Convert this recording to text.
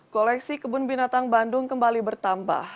koleksi kebun binatang bandung kembali bertambah